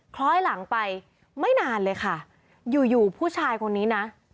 คล้อยหลังไปไม่นานเลยค่ะอยู่อยู่ผู้ชายคนนี้นะ